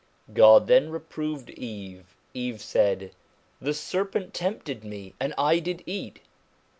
God then reproved Eve ; Eve said ' The serpent tempted me and I did eat.'